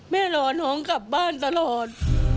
รอน้องกลับบ้านตลอด